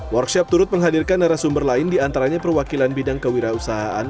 workshop turut menghadirkan narasumber lain diantaranya perwakilan bidang kewirausahaan